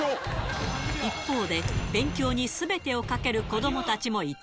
一方で、勉強にすべてをかける子どもたちもいた。